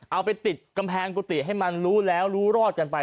เอาไปติดกำแพงกุฏิให้มันรู้แล้วรู้รอดกันไป